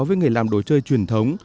với nghề làm đồ chơi truyền thống